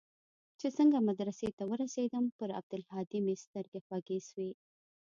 چې څنگه مدرسې ته ورسېدم پر عبدالهادي مې سترګې خوږې سوې.